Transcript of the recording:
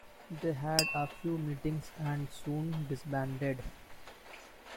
They had a few meetings and soon disbanded.